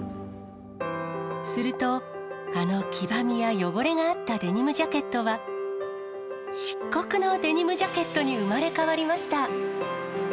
すると、あの黄ばみや汚れがあったデニムジャケットは、漆黒のデニムジャケットに生まれ変わりました。